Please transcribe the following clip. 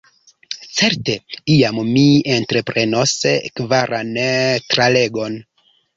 Certe, iam mi entreprenos kvaran tralegon.